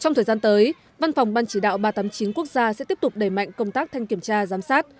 trong thời gian tới văn phòng ban chỉ đạo ba trăm tám mươi chín quốc gia sẽ tiếp tục đẩy mạnh công tác thanh kiểm tra giám sát